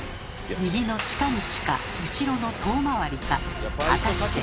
右の近道か後ろの遠回りか果たして。